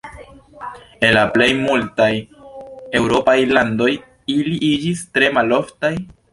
En la plej multaj eŭropaj landoj ili iĝis tre maloftaj.